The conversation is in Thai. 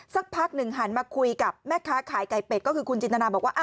สักพักหนึ่งหันมาคุยกับแม่ค้าขายไก่เป็ดก็คือคุณจินตนาบอกว่า